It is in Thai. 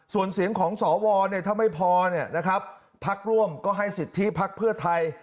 ส่วนเสียงของสวถ้าไม่พอพักร่วมก็ให้สิทธิพักเพื่อไทย